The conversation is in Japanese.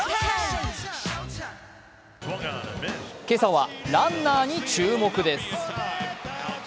今朝はランナーに注目です。